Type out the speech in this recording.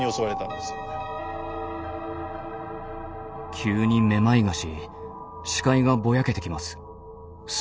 急にめまいがし視界がぼやけてきます。